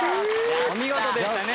お見事でしたね。